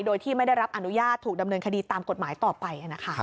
โดยที่ไม่ได้รับอนุญาตถูกดำเนินคดีตามกฎหมายต่อไป